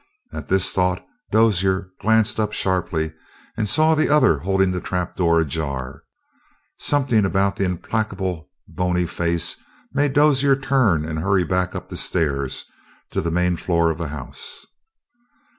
At this thought Dozier glanced up sharply and saw the other holding the trapdoor ajar. Something about that implacable, bony face made Dozier turn and hurry back up the stairs to the main floor of the house.